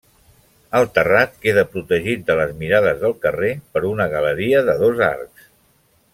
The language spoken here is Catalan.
El terrat queda protegit de les mirades del carrer per una galeria de dos arcs.